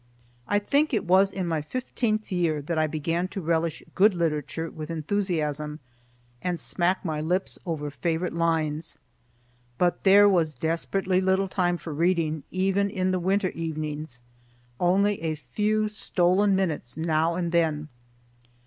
I think it was in my fifteenth year that I began to relish good literature with enthusiasm, and smack my lips over favorite lines, but there was desperately little time for reading, even in the winter evenings,—only a few stolen minutes now and then.